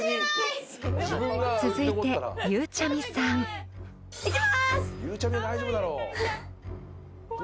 ［続いてゆうちゃみさん］いきます！